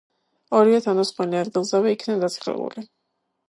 ორივე თავდამსხმელი ადგილზევე იქნა დაცხრილული.